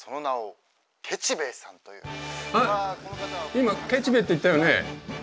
今「ケチ兵衛」って言ったよね？